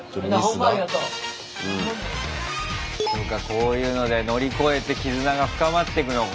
こういうので乗り越えて絆が深まってくのか。